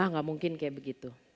ah gak mungkin kayak begitu